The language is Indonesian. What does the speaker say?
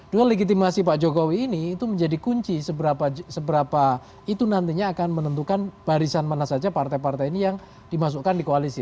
dua legitimasi pak jokowi ini itu menjadi kunci seberapa itu nantinya akan menentukan barisan mana saja partai partai ini yang dimasukkan di koalisi